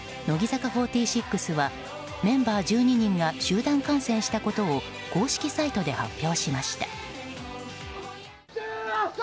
乃木坂４６はメンバー１２人が集団感染したことを公式サイトで発表しました。